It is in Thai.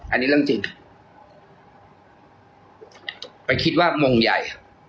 อันนี้เรื่องจริงไปคิดว่ามงใหญ่